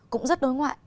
cũng rất đối ngoại